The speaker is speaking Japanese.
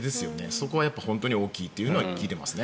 そこは本当に大きいと聞いていますね。